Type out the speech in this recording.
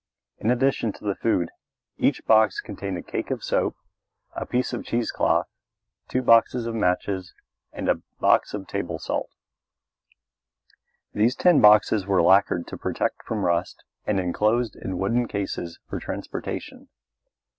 In addition to the food, each box contained a cake of soap, a piece of cheese cloth, two boxes of matches, and a box of table salt. These tin boxes were lacquered to protect from rust and enclosed in wooden cases for transportation.